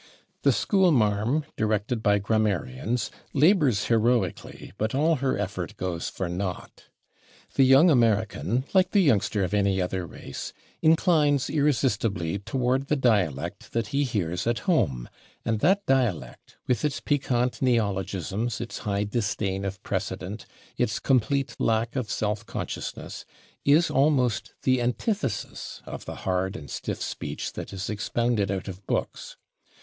The school marm, directed by grammarians, labors heroically, but all her effort goes for naught. The young American, like the youngster of any other race, inclines irresistibly toward the dialect that he hears at home, and that dialect, with its piquant neologisms, its high disdain of precedent, its complete lack of self consciousness, is almost the antithesis of the hard and stiff speech that is expounded out of books.